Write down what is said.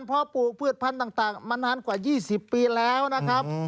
เพราะปลูกพืชพันธุ์ต่างมานานกว่า๒๐ปีแล้วนะครับ